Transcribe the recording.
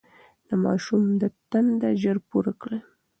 د ماشوم د تنده ژر پوره کړئ.